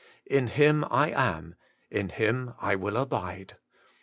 In Him I am, In Him I will abide.